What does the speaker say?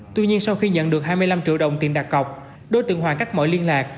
tuy nhiên sau khi nhận được hai mươi năm triệu đồng tiền đặt cọc đối tượng hoàng cắt mở liên lạc